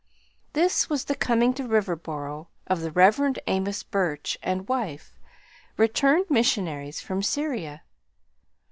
This was the coming to Riverboro of the Reverend Amos Burch and wife, returned missionaries from Syria.